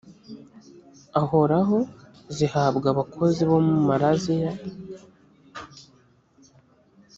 ahoraho zihabwa abakozi bo mu maraziya